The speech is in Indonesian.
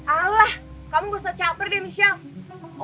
allah kamu gak usah capir deh michelle